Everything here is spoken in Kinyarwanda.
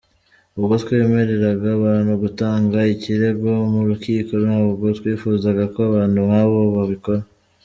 Ubwo twemereraga abantu gutanga ikirego mu rukiko, ntabwo twifuzaga ko abantu nk’abo babikora.